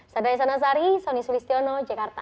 saya daya sanasari soni sulistiono jakarta